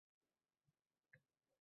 Mana she’r, yuragim tafti shu xolos